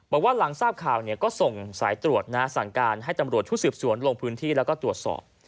บอกว่าหลังทราบข่าวเนี่ยก็ส่งสายตรวจนะสั่งการให้ตำรวจชุดสืบสวนลงพื้นที่แล้วก็ตรวจสอบ